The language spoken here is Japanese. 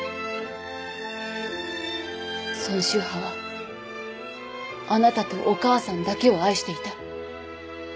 孫秀波はあなたとお母さんだけを愛していた。